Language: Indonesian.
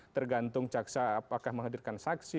tergantung caksa apakah menghadirkan saksi